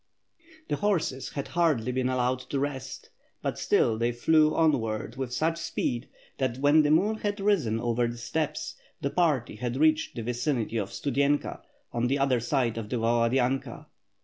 The horses had hardly been allowed to rest, but still they flew onward with such speed, that when the moon had risen over the steppes, the party had reached the vicinity of Stu denka on the other side of the Valadynka.